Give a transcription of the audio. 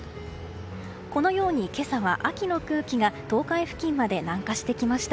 このように今朝は秋の空気が東海付近まで南下してきました。